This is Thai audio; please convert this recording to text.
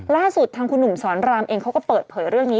ล่าสุดทางคุณหนุ่มสอนรามเองเขาก็เปิดเผยเรื่องนี้